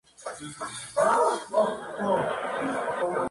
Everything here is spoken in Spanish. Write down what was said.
Los vientos fueron representados por poetas y artistas de diversas formas.